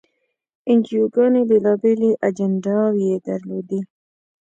انجیوګانې بېلابېلې اجنډاوې یې درلودې.